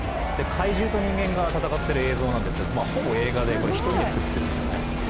怪獣と人間が戦ってる映像なんですけどほぼ映画でこれ１人で作ってるんですよね。